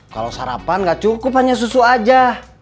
kalau sarapan nggak cukup hanya susu aja